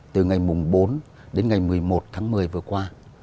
từ ngày bốn đến ngày một mươi một tháng một mươi vừa qua